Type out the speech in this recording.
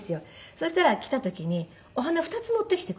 そしたら来た時にお花２つ持ってきてくれて。